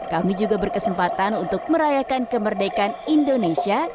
kami juga berkesempatan untuk merayakan kemerdekaan indonesia